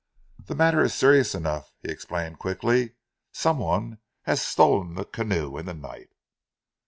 "The matter is serious enough," he explained quickly. "Some one has stolen the canoe in the night."